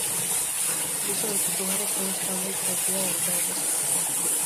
Por iso en moitos lugares non está moi por enriba da metade dese prezo.